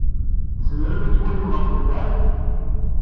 Tzemrem ad twalim ɣer lbeɛd?